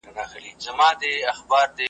ته به ولي په چاړه حلالېدلای .